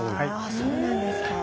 そうなんですか。